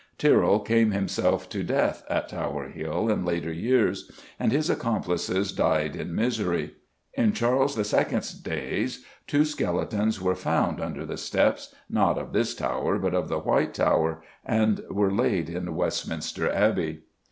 Tyrrell came himself to death on Tower Hill in later years, and his accomplices died in misery. In Charles II.'s days two skeletons were found "under the steps," not of this tower but of the White Tower, and were laid in Westminster Abbey.